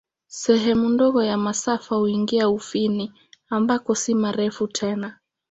Sehemu ndogo ya masafa huingia Ufini, ambako si marefu tena.